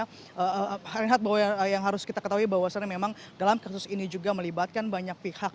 nah harian hati yang harus kita ketahui bahwa sebenarnya memang dalam kasus ini juga melibatkan banyak pihak